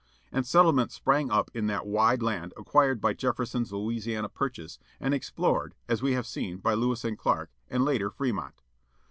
And settlements sprang up in that wide land acquired by Jefferson's Louisiana purchase, and explored, as we have seen, by Lewis and Clarke, and later Fremont.